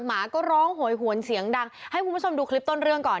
หมาก็ร้องโหยหวนเสียงดังให้คุณผู้ชมดูคลิปต้นเรื่องก่อน